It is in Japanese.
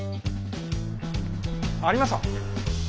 ありました。